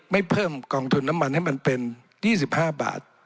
ไม่เพิ่มกองทุนน้ำมันให้มันเป็น๒๕บาท